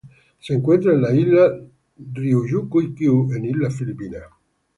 Se encuentran en las Islas Ryukyu e Islas Filipinas.